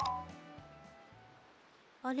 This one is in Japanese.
あれ？